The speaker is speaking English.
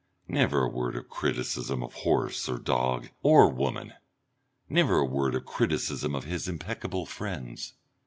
Never a word of criticism of horse or dog or woman! Never a word of criticism of his impeccable friends!